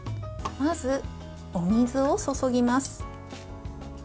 まず、お水を注ぎます。